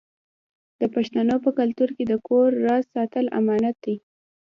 د پښتنو په کلتور کې د کور راز ساتل امانت دی.